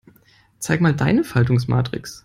Zeig mal deine Faltungsmatrix.